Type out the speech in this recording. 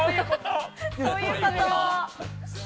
そういうこと。